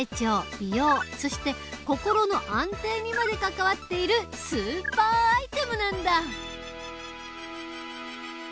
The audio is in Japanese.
美容そして心の安定にまで関わっているスーパーアイテムなんだ！